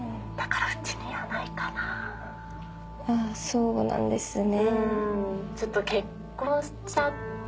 そうなんですね。